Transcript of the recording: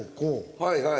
はいはい。